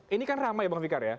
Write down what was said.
ini kan ramai ya bang fikar ya